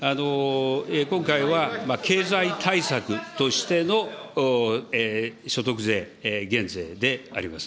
今回は経済対策としての所得税減税であります。